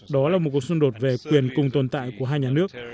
đó là một cuộc xung đột về quyền cùng tồn tại của hai nhà nước